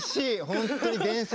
本当に伝説。